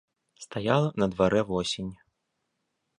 Стаяла на дварэ восень.